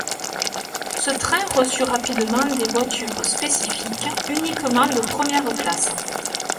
Ce train reçut rapidement des voitures spécifiques, uniquement de première classe.